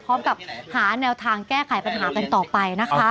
พร้อมกับหาแนวทางแก้ไขปัญหากันต่อไปนะคะ